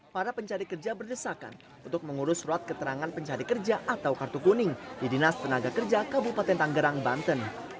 para pencari kerja berdesakan untuk mengurus surat keterangan pencari kerja atau kartu kuning di dinas tenaga kerja kabupaten tanggerang banten